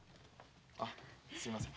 あすいません。